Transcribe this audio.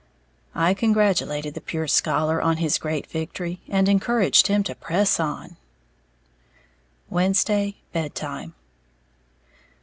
'" I congratulated the "pure scholar" on his great victory, and encouraged him to press on. _Wednesday, Bed time.